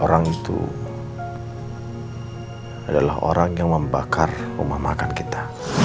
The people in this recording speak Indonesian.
orang itu adalah orang yang membakar rumah makan kita